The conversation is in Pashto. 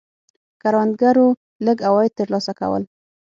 کروندګرو لږ عواید ترلاسه کول.